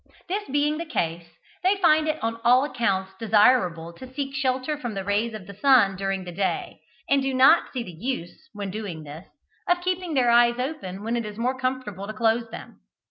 This being the case, they find it on all accounts desirable to seek shelter from the rays of the sun during the day, and do not see the use, when doing this, of keeping their eyes open when it is more comfortable to close them.